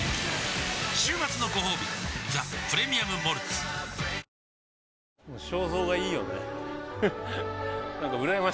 週末のごほうび「ザ・プレミアム・モルツ」世界初！